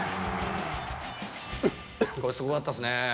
これ、すごかったですね。